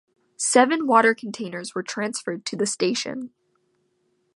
Seven water containers were transferred to the station.